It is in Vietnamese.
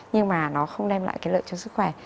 nhưng mà nó không đem lại cái lợi cho sức khỏe